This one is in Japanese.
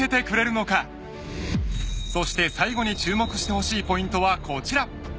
［そして最後に注目してほしいポイントはこちら］